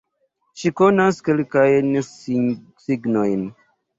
Ŝi konas kelkajn signojn